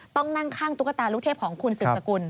ต้องนั่งข้างตุ๊กตาลูกเทพของคุณสืบสกุล